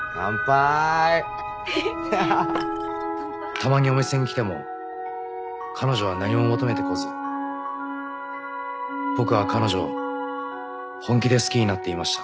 たまにお店に来ても彼女は何も求めてこず僕は彼女を本気で好きになっていました。